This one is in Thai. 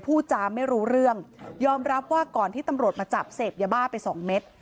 พูดจาไม่รู้เรื่องยอมรับว่าก่อนที่ตำรวจมาจับเสพยาบ้าไปสองเม็ด